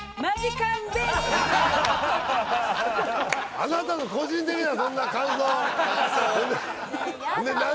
あなたの個人的なそんな感想